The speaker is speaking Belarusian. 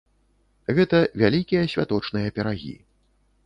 Гэта вялікія святочныя пірагі.